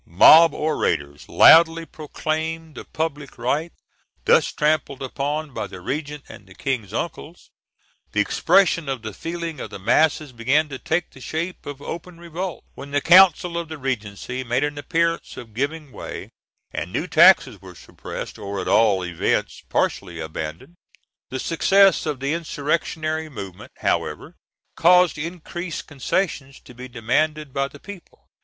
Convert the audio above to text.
Mob orators loudly proclaimed the public rights thus trampled upon by the regent and the King's uncles; the expression of the feelings of the masses began to take the shape of open revolt, when the council of the regency made an appearance of giving way, and the new taxes were suppressed, or, at all events, partially abandoned. The success of the insurrectionary movement, however, caused increased concessions to be demanded by the people.